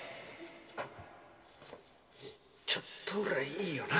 ちょっとぐらいいいよな。